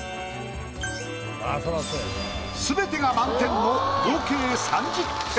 全てが満点の合計３０点。